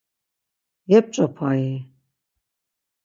Yep̌ç̌opai?